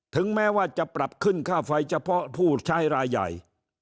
ถึงแม้ว่าจะปรับขึ้นค่าไฟเฉพาะผู้ใช้รายใหญ่